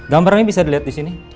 gambarnya bisa dilihat disini